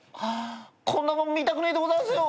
こんなもん見たくねえでございますよ。